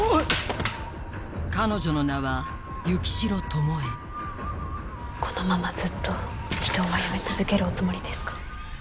彼女の名はこのままずっと人を殺め続けるおつもりですか？